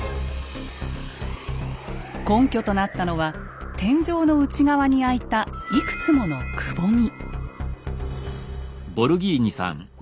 根拠となったのは天井の内側に開いたいくつものくぼみ。